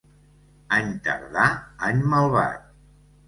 Any tardà, any malvat.